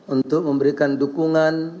untuk memberikan dukungan